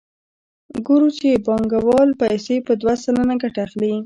ګورو چې بانکوال پیسې په دوه سلنه ګټه اخلي